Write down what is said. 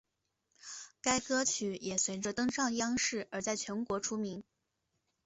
该歌曲也随着登上央视而在全国出名。